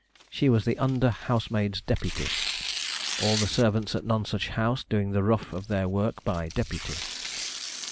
She was the under housemaid's deputy; all the servants at Nonsuch House doing the rough of their work by deputy.